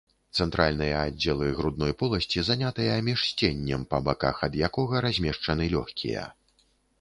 Цэнтральныя аддзелы грудной поласці занятыя міжсценнем, па баках ад якога размешчаны лёгкія.